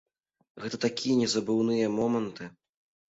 Гэта такія незабыўныя моманты!